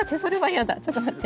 ちょっと待って！